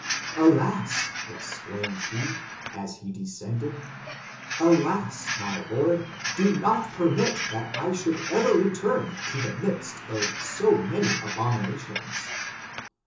"Alas!" exclaimed he, as he de scended, " alas, my Lord, do riot permit that I should ever return to the midst of so many abominations."